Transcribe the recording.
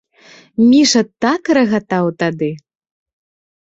Міша так рагатаў тады!